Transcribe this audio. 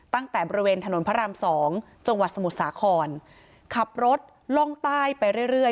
ตั้งแต่บริเวณถนนพระรามสองจังหวัดสมุทรสาครขับรถล่องใต้ไปเรื่อยเรื่อย